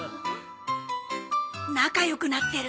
仲良くなってる。